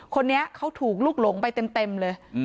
คนนี้เขาถูกลูกหลงไปเต็มเลย